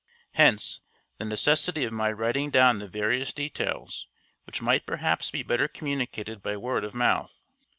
Hence the necessity of my writing down the various details, which might perhaps be better communicated by word of mouth.